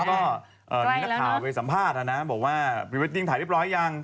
ก็มีหน้าข่าวไว้สัมภาษณ์นะฮะบอกว่าบริเวตติ้งถ่ายเรียบร้อยหรือยัง